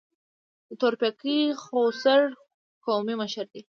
د تورپیکۍ خوسر قومي مشر دی.